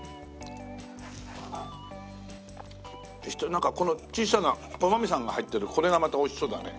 なんかこの小さなお豆さんが入ってるこれがまたおいしそうだね。